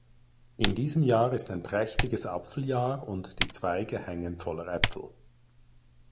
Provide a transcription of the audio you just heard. In diesem Jahr ist ein prächtiges Apfeljahr und die Zweige hängen voller Äpfel.